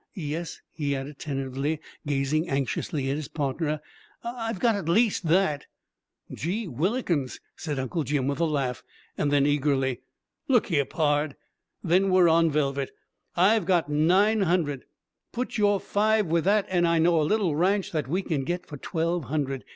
Yes," he added tentatively, gazing anxiously at his partner, "I've got at least that." "Jee whillikins!" said Uncle Jim, with a laugh. Then eagerly, "Look here, pard! Then we're on velvet! I've got nine hundred; put your five with that, and I know a little ranch that we can get for twelve hundred.